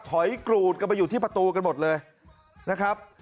กรูดกันไปอยู่ที่ประตูกันหมดเลยนะครับ